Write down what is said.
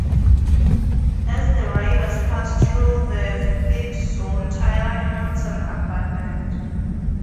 As the riders passed through the feedzone Tyler Hamilton abandoned.